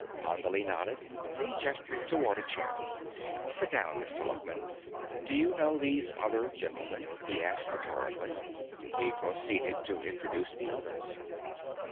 Condley nodded, then gestured toward a chair. "Sit down, Mr. Luckman. Do you know these other gentlemen?" he asked rhetorically. He proceeded to introduce the others.